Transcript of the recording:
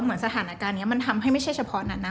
เหมือนสถานการณ์นี้มันทำให้ไม่ใช่เฉพาะนั้นนะ